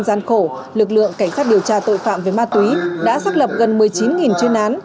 gian khổ lực lượng cảnh sát điều tra tội phạm về ma túy đã xác lập gần một mươi chín chuyên án